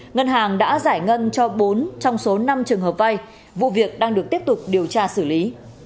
ngân hàng đã giải ngân cho bốn trong số năm trường hợp vay vụ việc đang được tiếp tục điều tra xử lý